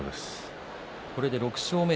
これで６勝目。